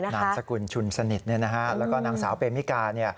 นามสกุลชุนสนิทแล้วก็นางสาวเปมิกา